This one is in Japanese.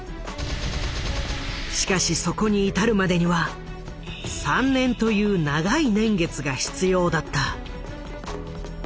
しかしそこに至るまでには３年という長い年月が必要だった。